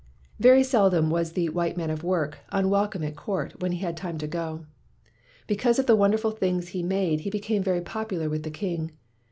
Very seldom was the "white man of work" unwelcome at court when he had time to go. Because of the wonderful things he made he became very popular with the king.